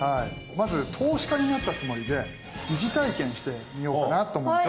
まず投資家になったつもりで疑似体験してみようかなと思うんですよね。